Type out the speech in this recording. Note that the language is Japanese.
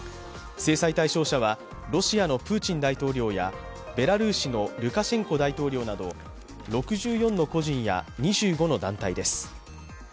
制裁対象者はロシアのプーチン大統領やベラルーシのルカシェンコ大統領など６４の個人や２５の団体です。